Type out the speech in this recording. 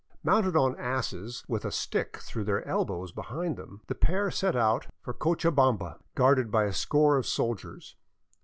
Mounted on asses, with a stick through their elbows behind them, the pair set out for Cochabamba guarded by a score of soldiers.